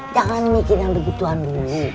jangan mikirin yang begituan dulu